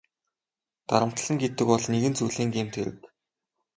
Дарамтална гэдэг бол нэгэн зүйлийн гэмт хэрэг.